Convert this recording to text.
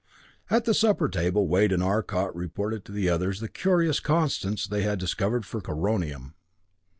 At the supper table Wade and Arcot reported to the others the curious constants they had discovered for coronium.